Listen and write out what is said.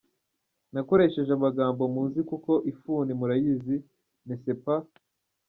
Nakoresheje amagambo muzi kuko ifuni murayizi n”est ce pas